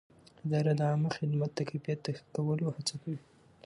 اداره د عامه خدمت د کیفیت د ښه کولو هڅه کوي.